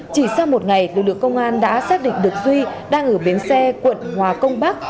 chỉ sau một ngày lực lượng công an đã xác định được duy đang ở bến xe quận hòa công bắc